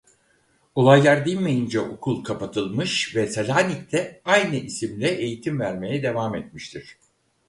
Olaylar dinmeyince okul kapatılmış ve Selanik'te aynı isimle eğitim vermeye devam etmiştir.